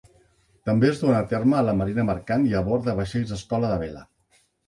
També es duen a terme a la marina mercant i a bord de vaixells escola de vela.